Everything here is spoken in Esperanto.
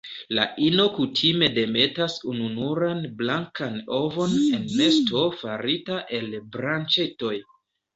La ino kutime demetas ununuran blankan ovon en nesto farita el branĉetoj.